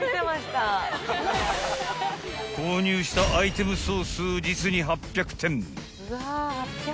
［購入したアイテム総数実に８００点］